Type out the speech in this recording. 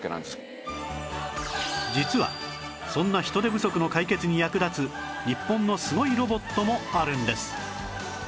実はそんな人手不足の解決に役立つ日本のすごいロボットもあるんです